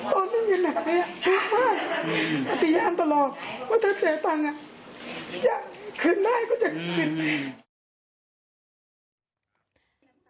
ตอนนี้ยังไหนอ่ะไม่ไหวอธิญาณตลอดว่าถ้าเจ๋ตังอ่ะจะคืนได้ก็จะคืนให้